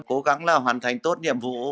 cố gắng là hoàn thành tốt nhiệm vụ